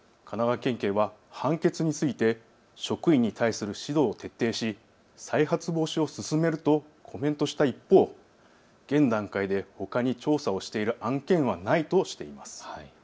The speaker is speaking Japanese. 神奈川県警は判決について職員に対する指導を徹底し再発防止を進めるとコメントした一方、現段階でほかに調査をしている案件はないとしています。